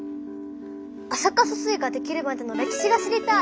安積疏水ができるまでの歴史が知りたい！